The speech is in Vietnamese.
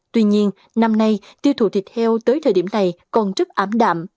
tuy nhiên năm nay tiêu thụ thịt heo tới thời điểm này còn rất ảm đạm